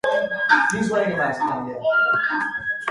Organic compounds were also detected on the surface.